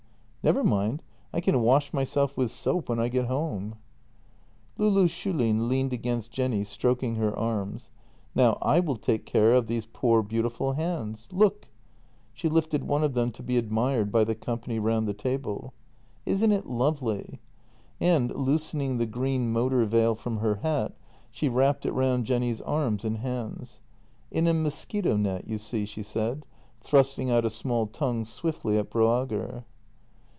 "" Never mind. I can wash myself with soap when I get home." Loulou Schulin leaned against Jenny, stroking her arms. " Now I will take care of these poor, beautiful hands. Look !" She lifted one of them to be admired by the company round the table. " Isn't it lovely? " and, loosening the green motor veil from her hat, she wrapped it round Jenny's arms and hands. " In a mosquito net, you see," she said, thrusting out a small tongue swiftly at Broager.